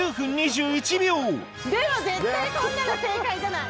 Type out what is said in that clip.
でも絶対こんなの正解じゃない